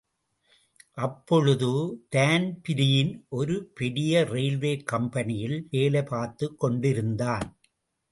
அப்பொழுது தான்பிரீன் ஒரு பெரிய ரெயில்வே கம்பனியில் வேலை பார்த்துக் கொண்டிருந்தான்.